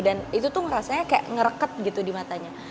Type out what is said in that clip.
dan itu tuh ngerasanya kayak ngereket gitu di matanya